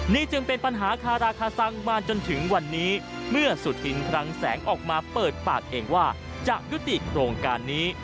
นี่จึงเป็นปัญหาคาราคาซังมาจนถึงวันนี้เมื่อสุธินคลังแสงออกมาเปิดปากเองว่าจะยุติโครงการนี้